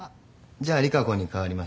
じゃあ利佳子に代わります。